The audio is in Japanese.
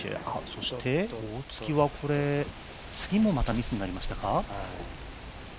そして大槻は次もまたミスになりましたか？